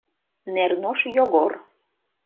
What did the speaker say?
НЕРНОШ ЙОГОР